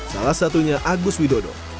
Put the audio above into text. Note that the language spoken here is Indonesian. salah satunya agus widodo